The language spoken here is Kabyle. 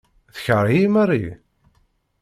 Tekṛeh-iyi Marie?